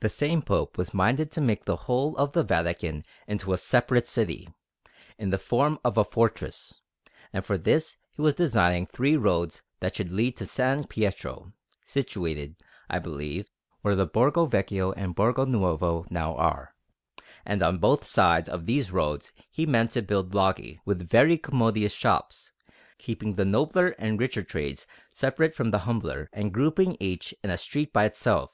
The same Pope was minded to make the whole of the Vatican into a separate city, in the form of a fortress; and for this he was designing three roads that should lead to S. Pietro, situated, I believe, where the Borgo Vecchio and the Borgo Nuovo now are; and on both sides of these roads he meant to build loggie, with very commodious shops, keeping the nobler and richer trades separate from the humbler, and grouping each in a street by itself.